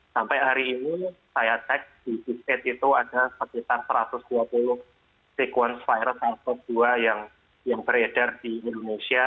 sampai hari ini saya teks di g state itu ada sekitar satu ratus dua puluh sekuens virus sars cov dua yang beredar di indonesia